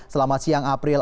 selamat siang april